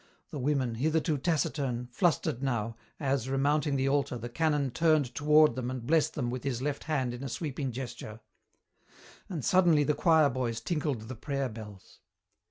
The women, hitherto taciturn, flustered now, as, remounting the altar, the canon turned toward them and blessed them with his left hand in a sweeping gesture. And suddenly the choir boys tinkled the prayer bells.